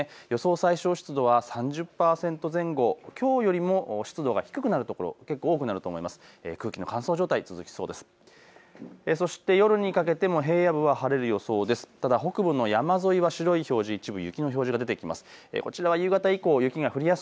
最小湿度は３０％前後きょうよりも湿度が低くなる所、結構、多くなると思います。